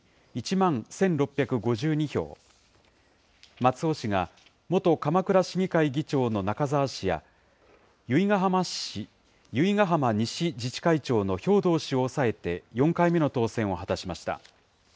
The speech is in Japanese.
松尾氏が、元鎌倉市議会議長の中澤氏や、由比ガ浜西自治会長の兵藤氏を抑えて、４回目の当選を果たしました。